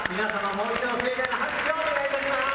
もう一度盛大な拍手をお願いいたします」